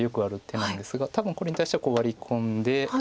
多分これに対してはワリ込んで。